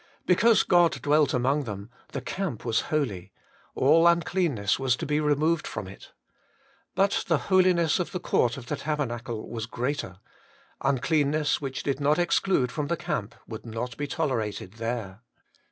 Because God dwelt among them, the camp was holy : all uncleanness was to be removed from it. But the holiness of the court of the tabernacle was greater : uncleanness which did not exclude from the camp would not be tolerated there.